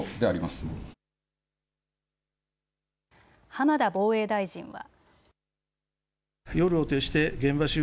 浜田防衛大臣は。